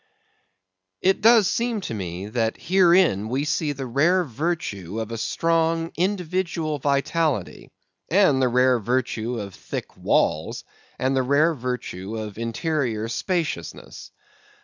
It does seem to me, that herein we see the rare virtue of a strong individual vitality, and the rare virtue of thick walls, and the rare virtue of interior spaciousness.